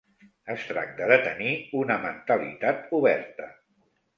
Es tracta de tenir una mentalitat oberta.